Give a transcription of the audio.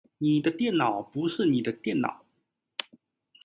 你的電腦不是你的電腦